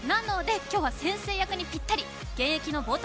なので今日は先生役にぴったり、現役のボート